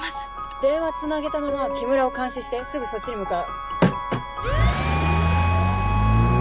電話つなげたまま木村を監視してすぐそっちに向かう。